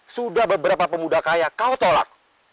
sudah beberapa pemuda kaya kau tolak